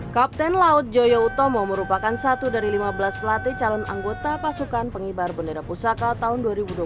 kapten laut joyo utomo merupakan satu dari lima belas pelatih calon anggota pasukan pengibar bendera pusaka tahun dua ribu dua puluh satu